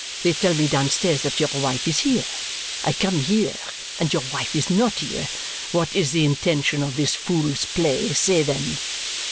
They tell me downstairs that your wife is here. I come here, and your wife is not here. What is the intention of this fool's play, say then?"